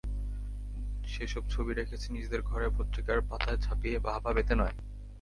সেসব ছবি রেখেছে নিজেদের ঘরে, পত্রিকার পাতায় ছাপিয়ে বাহবা পেতে নয়।